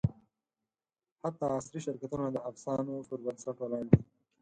حتی عصري شرکتونه د افسانو پر بنسټ ولاړ دي.